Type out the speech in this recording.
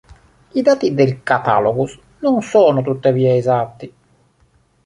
I dati del "catalogus" non sono tuttavia esatti.